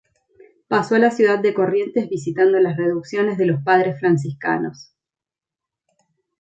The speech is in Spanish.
Pasó a la ciudad de Corrientes visitando las reducciones de los padres franciscanos.